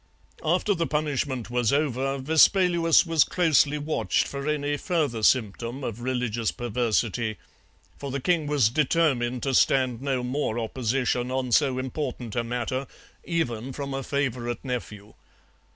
After the punishment was over, Vespaluus was closely watched for any further symptom of religious perversity, for the king was determined to stand no more opposition on so important a matter, even from a favourite nephew.